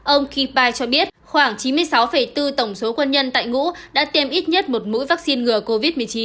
ông kipai cho biết khoảng chín mươi sáu bốn tổng số quân nhân tại ngũ đã tiêm ít nhất một mũi vaccine ngừa covid một mươi chín